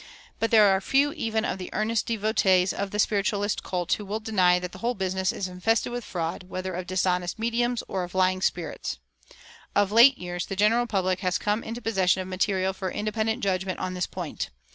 But there are few even of the earnest devotees of the spiritualist cult who will deny that the whole business is infested with fraud, whether of dishonest mediums or of lying spirits. Of late years the general public has come into possession of material for independent judgment on this point.